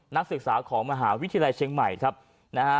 นักศึกษาของมหาวิทยาลัยเชียงใหม่ครับนะฮะ